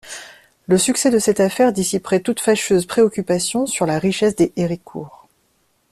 Le succès de cette affaire dissiperait toute fâcheuse préoccupation sur la richesse des Héricourt.